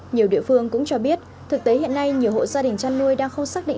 nhiều địa phương cũng cho biết thực tế hiện nay nhiều hộ gia đình chăn nuôi đang không xác định